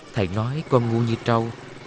thầy nói con ngu như trâu